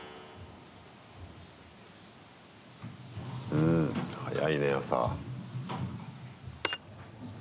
うん、早いね、朝。